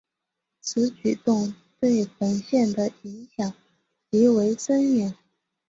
此举动对本线的影响极为深远。